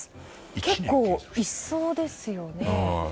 結構いそうですよね。